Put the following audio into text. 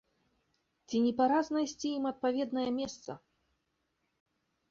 Ці не пара знайсці ім адпаведнае месца?